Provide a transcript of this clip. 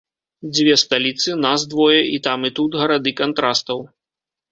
Дзве сталіцы, нас двое, і там і тут гарады кантрастаў.